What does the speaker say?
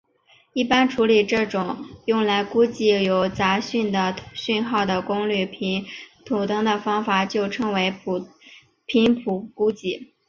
一般处理这种用来估计有杂讯的讯号的功率频谱的方法就称为频谱估计。